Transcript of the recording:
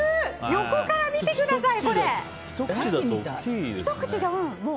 横から見てください。